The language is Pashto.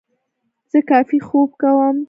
زه کافي خوب کوم.